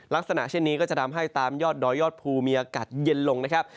ลักษณะเช่นนี้ก็จะทำให้ตามยอดดอยยอดภูมีอากาศเย็นลงนะครับ